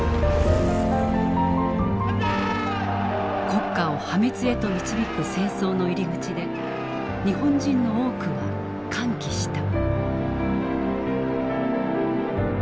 国家を破滅へと導く戦争の入り口で日本人の多くは歓喜した。